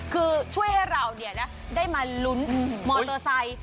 คือช่วยให้เราได้มาลุ้นมอเตอร์ไซค์